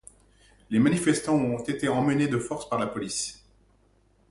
Les manifestants ont été emmenés de force par la police.